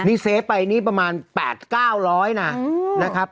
นี่เซฟไปนี่ประมาณ๘๙๐๐นะครับ